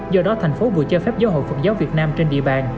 do đó thành phố vừa cho phép giáo hội phật giáo việt nam trên địa bàn